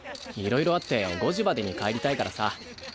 いろいろあって５時までに帰りたいからさ。